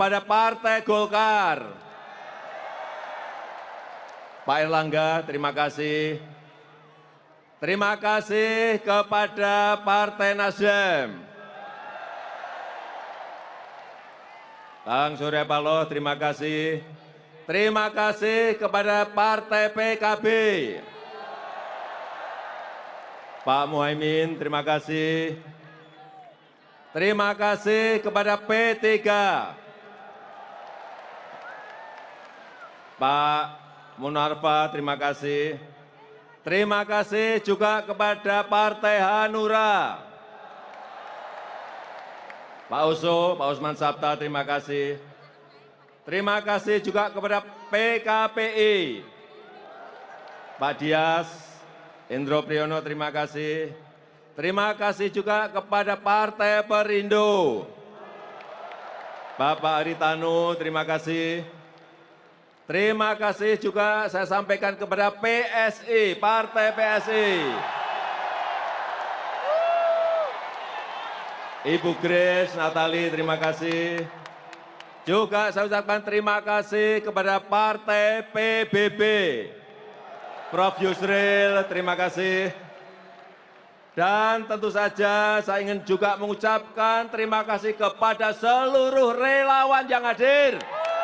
dan tentu saja saya ingin juga mengucapkan terima kasih kepada seluruh relawan yang hadir